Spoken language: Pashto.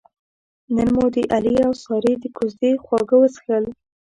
نن مو د علي اوسارې د کوزدې خواږه وڅښل.